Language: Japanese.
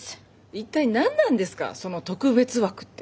一体何なんですかその特別枠って。